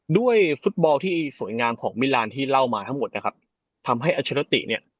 ด้วยฟุตบอลที่สวยงามของมิลานที่เล่ามาทั้งหมดนะครับทำให้อัชโรติเนี่ย